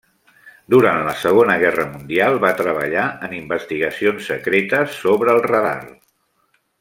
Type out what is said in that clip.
Durant la Segona Guerra Mundial va treballar en investigacions secretes sobre el radar.